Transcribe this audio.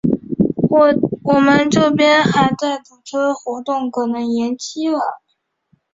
我们这边还在堵车，活动可能要延期了。